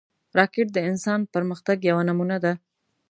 راکټ د انسان پرمختګ یوه نمونه ده